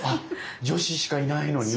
女子しかいないのに？